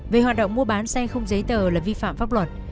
về hoạt động mua bán xe không giấy tờ là vi phạm pháp luật